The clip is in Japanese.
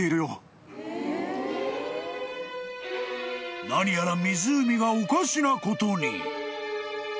［何やら湖がおかしなことに］